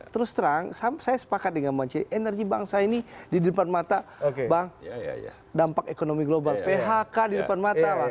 terus terang saya sepakat dengan bang ce energi bangsa ini di depan mata bang dampak ekonomi global phk di depan mata lah